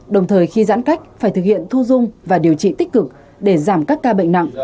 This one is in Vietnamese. đồng thời khi giãn cách phải thực hiện thu dung và điều trị tích cực để giảm các ca bệnh nặng